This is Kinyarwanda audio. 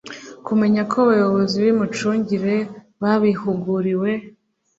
Kumenya ko abayobozi b’imicungire babihuguriwe